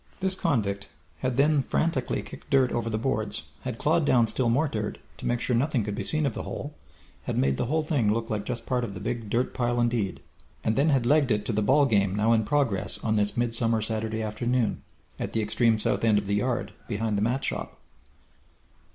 This convict had then frantically kicked dirt over the boards, had clawed down still more dirt, to make sure nothing could be seen of the hole had made the thing look just like part of the big dirt pile indeed and then had legged it to the ball game now in progress on this midsummer Saturday afternoon, at the extreme south end of the yard, behind the mat shop.